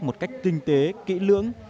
một cách kinh tế kỹ lưỡng